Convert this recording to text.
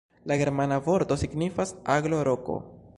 La germana vorto signifas aglo-roko.